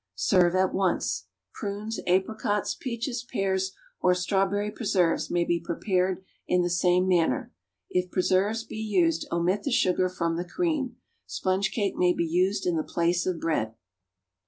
Serve at once. Prunes, apricots, peaches, pears, or strawberry preserves, may be prepared in the same manner. If preserves be used, omit the sugar from the cream. Sponge cake may be used in the place of bread.